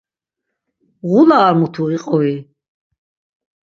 Ğula ar mutu iqui?